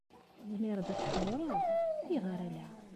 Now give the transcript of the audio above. Ur tezmireḍ ad tḥeḍreḍ? Ayɣer ala?